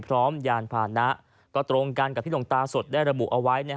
ยานพานะก็ตรงกันกับที่หลวงตาสดได้ระบุเอาไว้